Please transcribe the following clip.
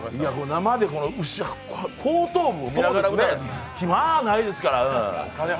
生で後頭部を見られるの、まあないですから。